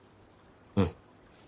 うん。